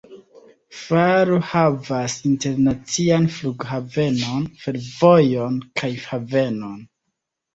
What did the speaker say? Faro havas internacian flughavenon, fervojon kaj havenon.